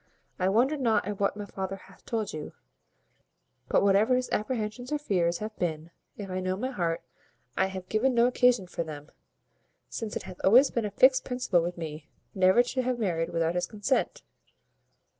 I wonder not at what my father hath told you; but, whatever his apprehensions or fears have been, if I know my heart, I have given no occasion for them; since it hath always been a fixed principle with me, never to have married without his consent.